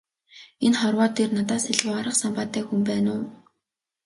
Энэ хорвоо дээр надаас илүү арга самбаатай хүн байна уу?